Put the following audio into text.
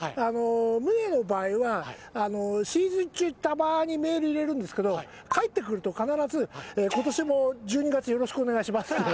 ムネの場合はシーズン中たまにメール入れるんですけど返ってくると必ず「今年も１２月よろしくお願いします」って。